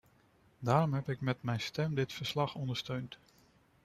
Daarom heb ik met mijn stem dit verslag ondersteund.